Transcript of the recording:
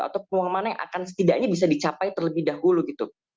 atau peluang mana yang akan setidaknya bisa dicapai terlebih dahulu gitu